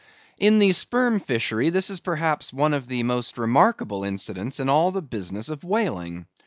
In the sperm fishery, this is perhaps one of the most remarkable incidents in all the business of whaling.